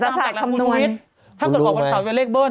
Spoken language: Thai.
จริงรักษาสัตว์ปรากฏละบุรุษจริงนี่ตามแต่ละคำนวณ